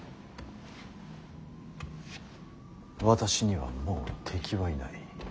私にはもう敵はいない。